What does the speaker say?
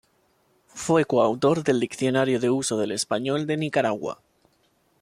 Fue coautor del Diccionario de Uso del Español de Nicaragua.